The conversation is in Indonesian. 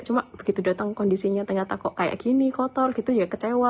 cuma begitu datang kondisinya ternyata kok kayak gini kotor gitu ya kecewa